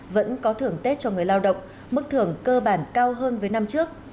vẫn có thưởng tết cho người lao động mức thưởng cơ bản cao hơn với năm trước